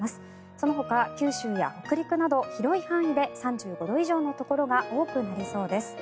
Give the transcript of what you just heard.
そのほか九州や北陸など広い範囲で３５度以上のところが多くなりそうです。